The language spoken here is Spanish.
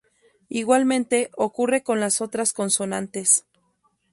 Igualmente ocurre con las otras consonantes.